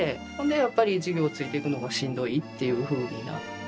やっぱり授業ついていくのがしんどいっていうふうになって。